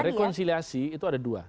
rekonsiliasi itu ada dua